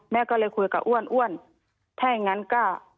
แม่ก็เลยคุยกับอ้วนอ้วนถ้าอย่างงั้นก็